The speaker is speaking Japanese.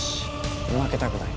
負けたくない。